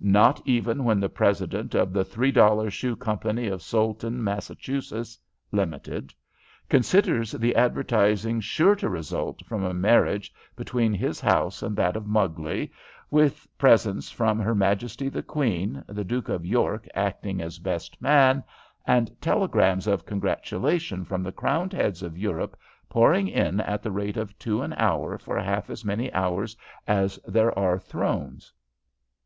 "Not even when the President of the Three dollar Shoe Company, of Soleton, Massachusetts (Limited), considers the advertising sure to result from a marriage between his house and that of Mugley, with presents from her majesty the queen, the Duke of York acting as best man, and telegrams of congratulation from the crowned heads of Europe pouring in at the rate of two an hour for half as many hours as there are thrones?"